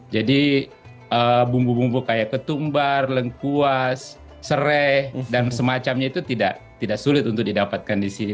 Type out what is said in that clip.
jadi bumbu bumbu kayak ketumbar lengkuas serai dan semacamnya itu tidak sulit untuk didapatkan di sini